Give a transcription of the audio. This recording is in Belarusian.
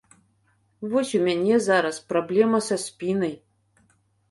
Вось у мяне зараз праблема са спінай.